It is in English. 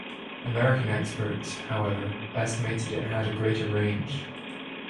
American experts, however, estimated it had a greater range.